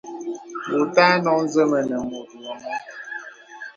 Wɔ ùtà nɔk nzə mənə mùt wɔŋ.